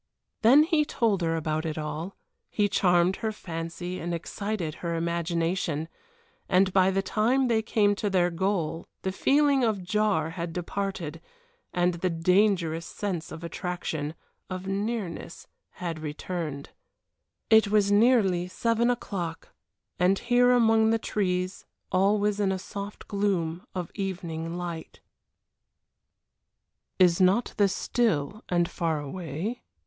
Then he told her about it all, he charmed her fancy and excited her imagination, and by the time they came to their goal the feeling of jar had departed, and the dangerous sense of attraction of nearness had returned. It was nearly seven o'clock, and here among the trees all was in a soft gloom of evening light. "Is not this still and far away?"